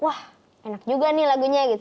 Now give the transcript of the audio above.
wah enak juga nih lagunya gitu